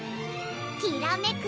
きらめく